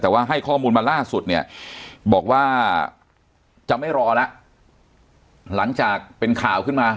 แต่ว่าให้ข้อมูลมาล่าสุดเนี่ยบอกว่าจะไม่รอแล้วหลังจากเป็นข่าวขึ้นมา